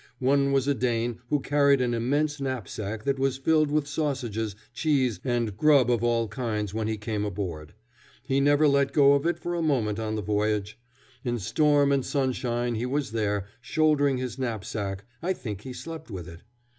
One was a Dane who carried an immense knapsack that was filled with sausages, cheese, and grub of all kinds when he came aboard. He never let go of it for a moment on the voyage. In storm and sunshine he was there, shouldering his knapsack. I think he slept with it.